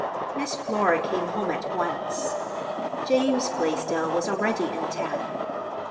Miss Flora came home at once. James Blaisdell was already in town.